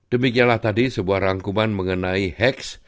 demikianlah tadi sebuah rangkuman mengenai heax